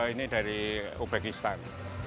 ini dari uzbekistan